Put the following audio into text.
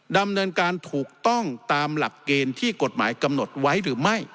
ดำเนินการถูกต้องตามหลักเกณฑ์ที่กฎหมายกำหนดไว้หรือไม่